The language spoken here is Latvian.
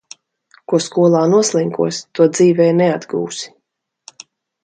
Ko skolā noslinkosi, to dzīvē neatgūsi.